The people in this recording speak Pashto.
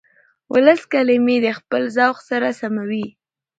ولس کلمې د خپل ذوق سره سموي.